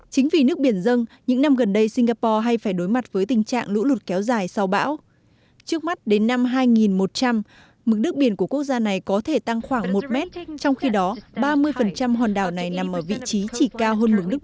chính vì nước biển dâng những năm gần đây singapore hay phải đối mặt với tình trạng lũ lụt kéo dài sau bão trước mắt đến năm hai nghìn một trăm linh mức nước biển của quốc gia này có thể tăng khoảng một mét trong khi đó ba mươi phút